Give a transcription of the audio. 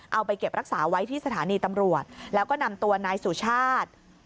เอาไปเก็บรักษาไว้ที่สถานีตำรวจแล้วก็นำตัวนายสุชาติ